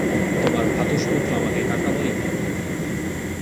তোমার ভ্রাতুষ্পুত্র আমাকে কাকা বলে?